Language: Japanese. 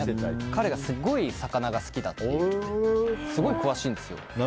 彼がすごい魚が好きだっていうことですごい詳しいんですよ。